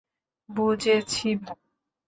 বুঝেছি, ভাই।